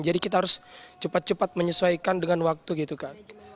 jadi kita harus cepat cepat menyesuaikan dengan waktu gitu kan